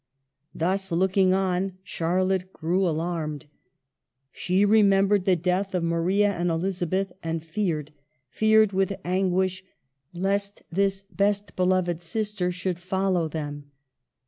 Thus looking on, Charlotte grew alarmed. She remembered the death of Maria and Elizabeth, and feared, feared with anguish, lest this best beloved sister should follow them.